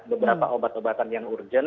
beberapa obat obatan yang urgent